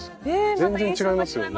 全然違いますよね